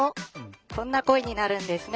こんな声になるんですね。